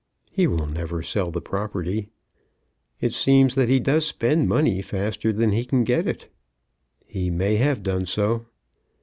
"He will never sell the property." "It seems that he does spend money faster than he can get it." "He may have done so."